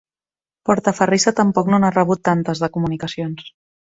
Portaferrissa tampoc no n'ha rebut tantes, de comunicacions.